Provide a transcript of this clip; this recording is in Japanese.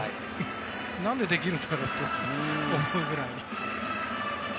何でできるんだろうと思うくらい。